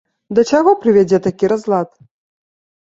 Да чаго прывядзе такі разлад?